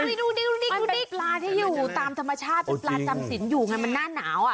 อุ๊ยดูดูดูดูดิปลาที่อยู่ตามธรรมชาติปลาจำสินอยู่กันมันน่าหนาวอะ